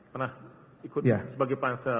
pernah ikut sebagai pansel